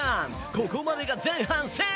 ここまでが前半戦。